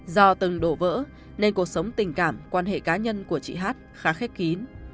do từng đổ vỡ nên cuộc sống tình cảm quan hệ cá nhân của chị hát khá khép kín